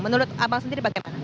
menurut abang sendiri bagaimana